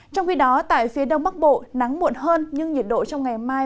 trong khi đó tại phía đông bắc bộ nắng muộn hơn nhưng nhiệt độ trong ngày mai